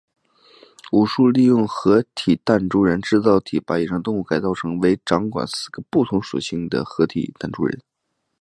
武殊利用合体弹珠人制造机把野生动物改造成为掌管四个不同属性的合体弹珠人。